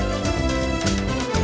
teganya teganya teganya